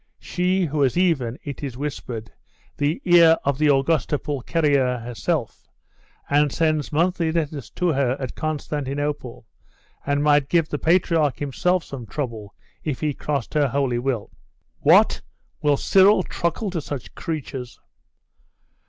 She who has even, it is whispered, the ear of the Augusta Pulcheria herself, and sends monthly letters to her at Constantinople, and might give the patriarch himself some trouble' if he crossed her holy will!' 'What! will Cyril truckle to such creatures?